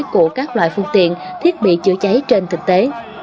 của các loại phương tiện thiết bị chữa cháy trên thực tế